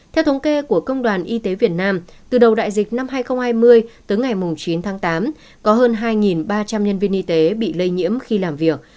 theo thống kê của công đoàn y tế việt nam từ đầu đại dịch năm hai nghìn hai mươi tới ngày chín tháng tám có hơn hai ba trăm linh nhân viên y tế bị lây nhiễm khi làm việc